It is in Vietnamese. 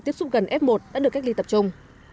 tiếp xúc gần f một đã được cách ly tập trung